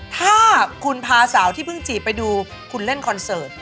ถ้าคุณพาสาวที่เพิ่งจีบไปดูคุณเล่นคอนเสิร์ต